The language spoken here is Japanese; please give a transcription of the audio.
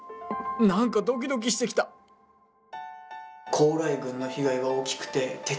何かドキドキしてきた高麗軍の被害が大きくて撤退したんだって。